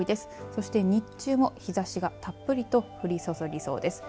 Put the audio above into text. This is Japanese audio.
そして日中も日ざしがたっぷりと降り注ぎそうです。